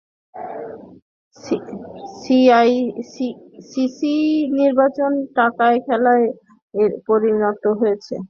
CEC নির্বাচন টাকার খেলায় পরিণত হয়েছে বলেই দায়িত্ব শেষ করতে পারেন না।